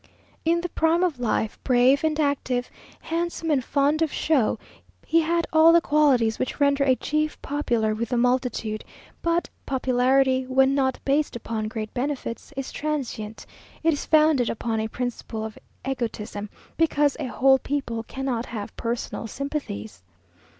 In the prime of life, brave and active, handsome and fond of show, he had all the qualities which render a chief popular with the multitude; "but popularity, when not based upon great benefits, is transient; it is founded upon a principle of egotism, because a whole people cannot have personal sympathies."